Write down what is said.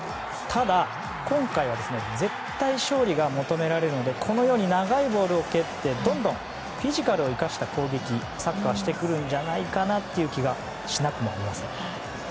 ただ、今回は絶対勝利が求められるのでこのように長いボールを蹴ってどんどんフィジカルを生かしたサッカーをしてくるんじゃないかという気がしなくもありません。